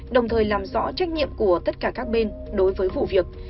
đồng thời làm rõ trách nhiệm của tất cả các bên đối với vụ việc